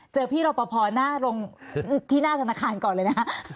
เจอพี่ระปภาณะที่หน้างานก่อนเลยนะคะ